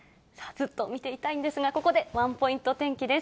ずっと見ていたいんですが、ここでワンポイント天気です。